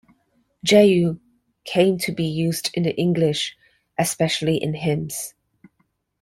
"Jesu" came to be used in English, especially in hymns.